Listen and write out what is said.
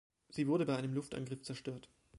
Sie wurde bei einem Luftangriff zerstört.